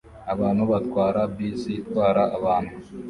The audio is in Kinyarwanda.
Abantu batwara bisi itwara abantu